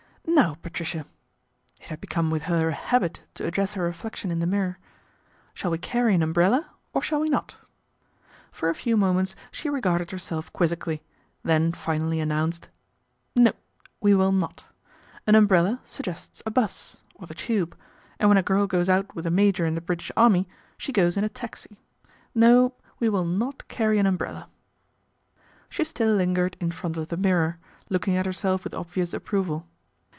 " Now, Patricia !" it had become with her a habit to address her reflection in the mirror " shall we carry an umbrella, or shall we not ?" For a few moments she regarded herself quizzically, then finally announced, " No : we will not. An umbrella suggests a bus, or the tube, and when a girl goes out with a major in the British Army, she goes in a taxi. No, we will not carry an umbrella." She still lingered in front of the mirror, looking at herself with obvious approval.